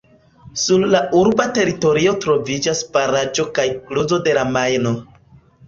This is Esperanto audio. Sur la urba teritorio troviĝas baraĵo kaj kluzo de la Majno.